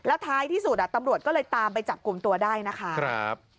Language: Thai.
ท้ายที่สุดตำรวจก็เลยตามไปจับกลุ่มตัวได้นะคะ